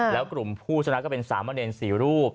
แล้วกลุ่มผู้ชนะก็เป็น๓ประเด็น๔รูป